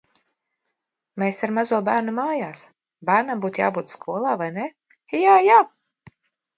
Mēs ar mazo bērnu mājās. Bērnam būtu jābūt skolā, vai ne? Jā! Jā!